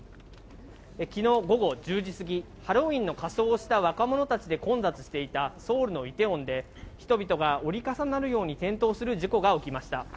きのう午後１０時過ぎ、ハロウィーンの仮装をした若者たちで混雑していたソウルのイテウォンで人々が折り重なるように転倒する事故が起きました。